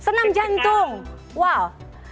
senam jantung wow